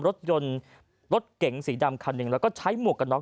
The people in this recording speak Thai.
รถยนต์รถเก๋งสีดำคันหนึ่งแล้วก็ใช้หมวกกันน็